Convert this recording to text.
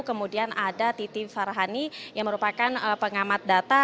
kemudian ada titi farhani yang merupakan pengamat data